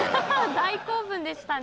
大興奮でしたね。